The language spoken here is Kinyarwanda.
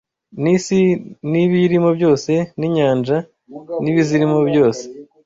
n’isi n’ibiyirimo byose, n’inyanja n’ibizirimo byose